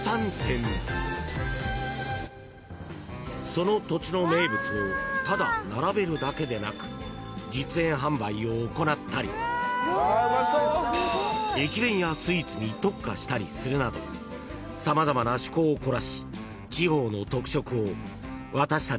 ［その土地の名物をただ並べるだけでなく実演販売を行ったり駅弁やスイーツに特化したりするなど様々な趣向を凝らし］